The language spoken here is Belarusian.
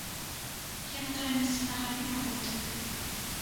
Я на тое месца наганю работаю.